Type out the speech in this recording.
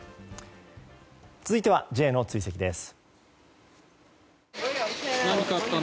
続いてはＪの追跡です。